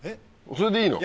それでいいの。